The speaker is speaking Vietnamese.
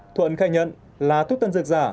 thuận khai nhận là thuốc tân dược giả